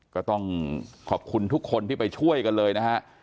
ก็ต้องขอบคุณทุกคนที่ไปช่วยกันเลยนะฮะ